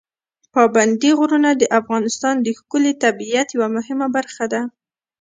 پابندي غرونه د افغانستان د ښکلي طبیعت یوه مهمه برخه ده.